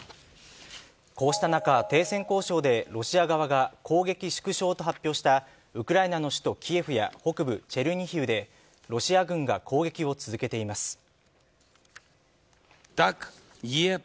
こうした中、停戦交渉でロシア側が攻撃縮小と発表したウクライナの首都・キエフや北部・チェルニヒウでロシア軍が攻撃を続けています。